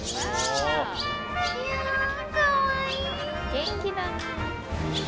元気だね。